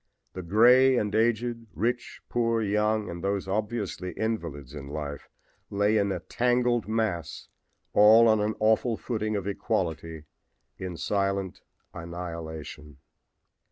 The gray and aged, rich, poor, young and those obviously invalids in life lay in a tangled mass all on an awful footing of equality in silent annihilation.